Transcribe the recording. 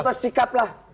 itu sikap lah